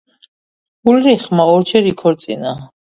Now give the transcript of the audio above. ულრიხმა ორჯერ იქორწინა.